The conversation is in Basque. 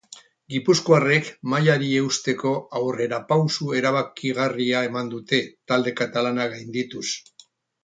Gipuzkoarrek mailari eusteko aurrerapauso erabakigarria eman dute, talde katalana gaindituz.